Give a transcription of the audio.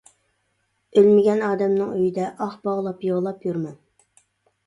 ئۆلمىگەن ئادەمنىڭ ئۆيىدە، ئاق باغلاپ يىغلاپ يۈرمەڭ.